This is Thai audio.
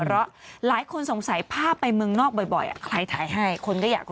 เพราะหลายคนสงสัยภาพไปเมืองนอกบ่อยใครถ่ายให้คนก็อยากรู้